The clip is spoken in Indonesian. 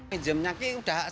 minjamnya ini sudah sakit